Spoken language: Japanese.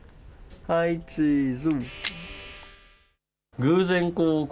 はい、チーズ。